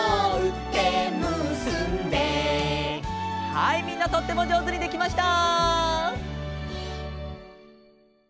はいみんなとってもじょうずにできました！